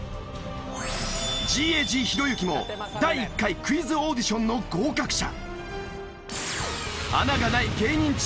ＧＡＧひろゆきも第１回クイズオーディションの合格者。